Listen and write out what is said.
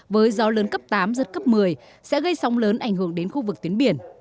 với gió lớn cấp tám giật cấp một mươi sẽ gây sóng lớn ảnh hưởng đến khu vực tuyến biển